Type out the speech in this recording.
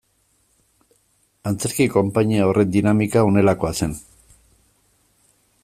Antzerki konpainia horren dinamika honelakoa zen.